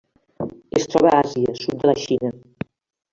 Es troba a Àsia: sud de la Xina.